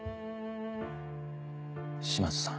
島津さん。